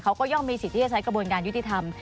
เขาก็ย่อมมีสิทธิ์ที่จะใช้กระบวนการยุติธรรม